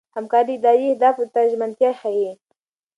همکاري د ادارې اهدافو ته ژمنتیا ښيي.